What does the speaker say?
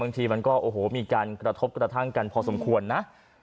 บางทีมันก็โอ้โหมีการกระทบกระทั่งกันพอสมควรนะ